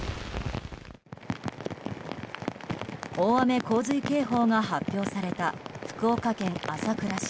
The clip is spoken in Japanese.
大雨・洪水警報が発表された福岡県朝倉市。